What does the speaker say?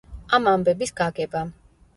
ამ ამბების გაგებამ.